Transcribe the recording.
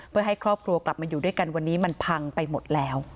เพื่อให้ครอบครัวกลับมาอยู่ด้วยกันวันนี้มันพังไปหมดแล้ว